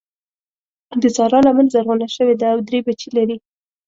د سارا لمن زرغونه شوې ده او درې بچي لري.